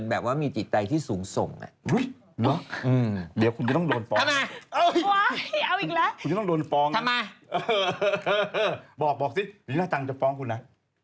บอกบอกสิฟรีน่าจังจะฟ้องคุณนะ